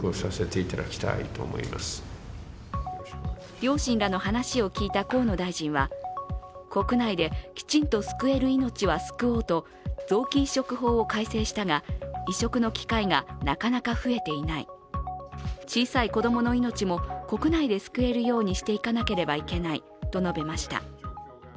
両親らの話を聞いた河野大臣は国内できちんと救える命は救おうと臓器移植法を改正したが、移植の機会がなかなか増えていない小さい子供の命も国内で救えるようにしていかなければいけないと述べました。